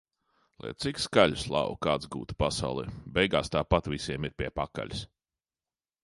Lai cik skaļu slavu kāds gūtu pasaulē - beigās tāpat visiem ir pie pakaļas.